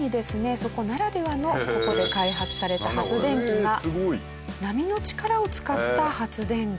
そこならではのここで開発された発電機が波の力を使った発電機。